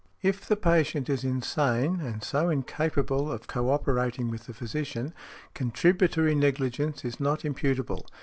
If the patient is insane, and so incapable of co operating with the physician, contributory negligence is not imputable.